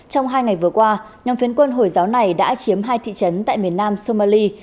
trong hai ngày vừa qua nhóm phiến quân hồi giáo này đã chiếm hai thị trấn tại miền nam somali